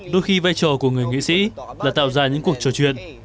đôi khi vai trò của người nghị sĩ là tạo ra những cuộc trò chuyện